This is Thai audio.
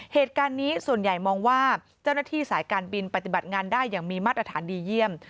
เหตุการณ์นี้ส่วนใหญ่มองว่าเจ้าหน้าที่สายการบินปฏิบัติงานได้อย่างมีมาตรฐานดีเยี่ยม